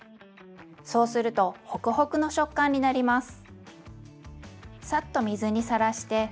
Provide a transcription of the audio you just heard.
そうするとホクホクの食感になります。